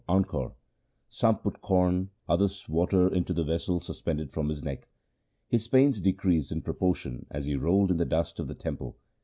encore !' Some put corn, others water into the vessel suspended from his neck. His pains decreased in proportion as he rolled in the dust of the temple.